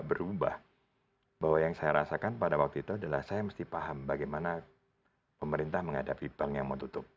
berubah bahwa yang saya rasakan pada waktu itu adalah saya mesti paham bagaimana pemerintah menghadapi bank yang mau tutup